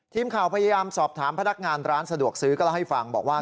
ทีมข่าวพยายามสอบถามพนักงานร้านสะดวกซื้อก็เล่าให้ฟังบอกว่า